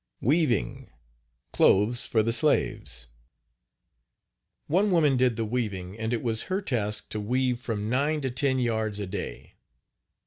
WEAVING CLOTHES OF THE SLAVES. One woman did the weaving and it was her task to weave from nine to ten yards a day.